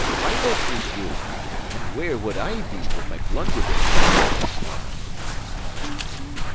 Vitals, says you! And where would I be with my blunderbush?" he snarled.